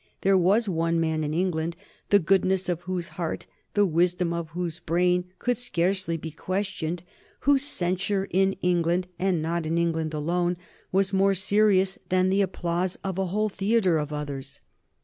There was one man in England the goodness of whose heart, the wisdom of whose brain could scarcely be questioned, whose censure in England, and not in England alone, was more serious than the applause of a whole theatre of others.